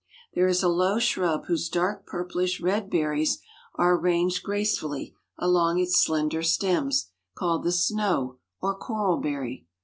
There is a low shrub whose dark purplish red berries are arranged gracefully along its slender stems, called the snow or coral berry.